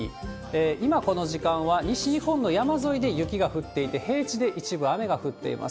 今、この時間は西日本の山沿いで雪が降っていて、平地で一部雨が降っています。